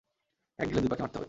এক ঢিলে দুই পাখি মারতে হবে।